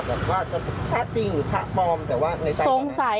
หรือว่าภาคจริงหรือภาคปลอมแต่ว่าในใต้ว่าไง